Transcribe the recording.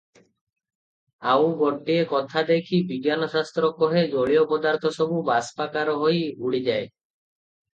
ଆଉ ଗୋଟିଏ କଥା ଦେଖ ବିଜ୍ଞାନଶାସ୍ତ୍ର କହେ, ଜଳୀୟ ପଦାର୍ଥ ସବୁ ବାଷ୍ପାକାର ହୋଇ ଉଡ଼ିଯାଏ ।